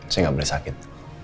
saya gak boleh sakit